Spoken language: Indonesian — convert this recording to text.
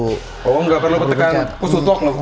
oh nggak perlu tekan